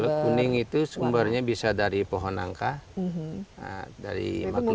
kalau kuning itu sumbernya bisa dari pohon angka dari maklum